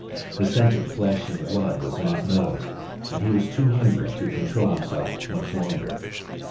The scent of flesh and blood was in his nose, and he was too hungry to control himself much longer.